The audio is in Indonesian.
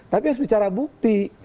tapi harus bicara bukti